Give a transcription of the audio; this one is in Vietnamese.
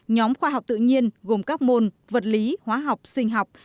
nhóm khoa học tự nhiên gồm các môn vật lý hóa học sinh học